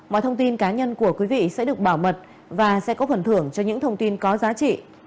mọi thông tin cá nhân của quý vị sẽ được bảo mật và sẽ có phần thưởng cho những thông tin có giá trị